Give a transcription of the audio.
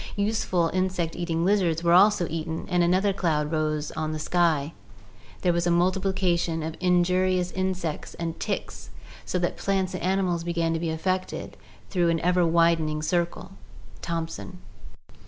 Useful insect eating lizards were also eaten, and another cloud rose on the sky — there was a multiplication of injurious insects and ticks, so that plants and animals began to be affected through an ever widening circle" (Thomson).